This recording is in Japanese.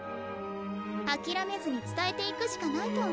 諦めずに伝えていくしかないと思う。